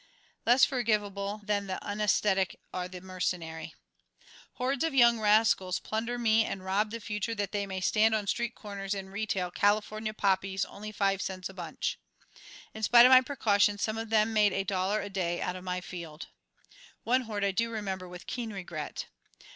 Less forgivable than the unaesthetic are the mercenary. Hordes of young rascals plunder me and rob the future that they may stand on street corners and retail "California poppies, only five cents a bunch!" In spite of my precautions some of them made a dollar a day out of my field. One horde do I remember with keen regret.